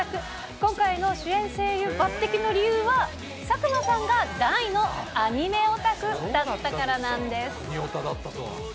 今回の主演声優抜てきの理由は、佐久間さんが大のアニメオタクだったからなんです。